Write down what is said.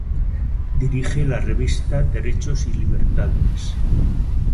Dirige la Revista Derechos y Libertades.